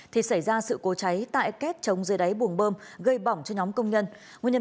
thì xảy ra sự cố cháy tại kết trống dưới đáy buồng bơm gây bỏng cho nhóm công nhân nguyên nhân